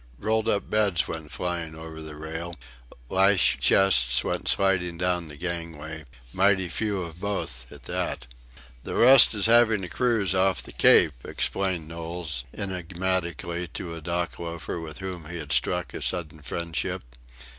Rolled up beds went flying over the rail; lashed chests went sliding down the gangway mighty few of both at that. "The rest is having a cruise off the Cape," explained Knowles enigmatically to a dock loafer with whom he had struck a sudden friendship.